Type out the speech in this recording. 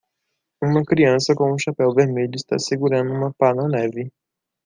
Uma criança com um chapéu vermelho está segurando uma pá na neve.